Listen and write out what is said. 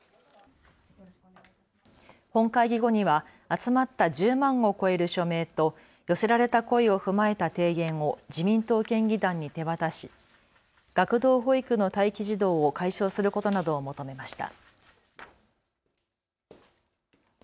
本会議後には集まった１０万を超える署名と寄せられた声を踏まえた提言を自民党県議団に手渡し学童保育の待機児童を解消することなどを求めました。